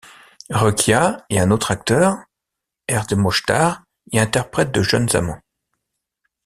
Roekiah et un autre acteur, Rd Mochtar, y interprètent de jeunes amants.